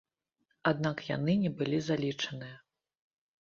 Аднак яны не былі залічаныя.